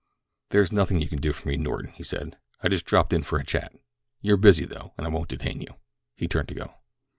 "There is nothing that you can do for me, Norton," he said. "I just dropped in for a chat. You're busy, though, and I won't detain you." He turned to go.